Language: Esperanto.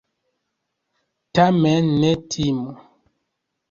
Tamen ne timu!